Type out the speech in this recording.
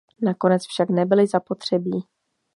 Nakonec však nebyly zapotřebí.